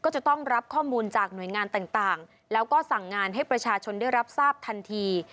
ก็จะต้องรับข้อมูลจากหน่วยงานต่างแล้วก็สั่งงานให้ประชาชนได้รับทราบทันที